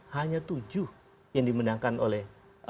hanya tujuh yang dimenangkan oleh